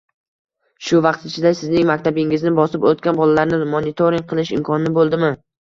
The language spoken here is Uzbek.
— Shu vaqt ichida sizning maktabingizni bosib oʻtgan bolalarni monitoring qilish imkoni boʻldimi?